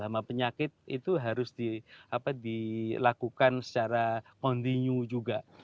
sama penyakit itu harus dilakukan secara kontinu juga